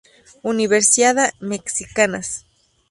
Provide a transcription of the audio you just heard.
Universiada Mexicanas